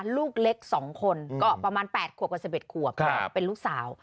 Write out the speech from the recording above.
ลูกเล็ก๒คนก็ประมาณ๘ขวบกับ๑๑ขวบเป็นลูกสาว